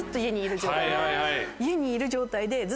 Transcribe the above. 家にいる状態で。